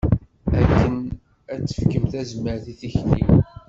Akken ad tefkem tazmert i tikli.